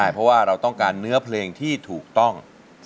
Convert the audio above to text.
เพราะว่าเราต้องการเนื้อเพลงที่ถูกต้อง